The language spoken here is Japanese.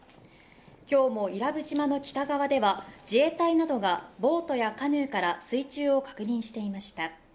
今日も伊良部島の北側では自衛隊などがボートやカヌーから水中を確認していました。